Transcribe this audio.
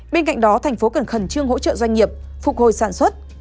bên cạnh đó thành phố cần khẩn trương hỗ trợ doanh nghiệp phục hồi sản xuất